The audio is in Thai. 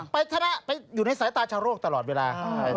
ไปทะเละไปอยู่ในสายตาชาวโลกตลอดเวลา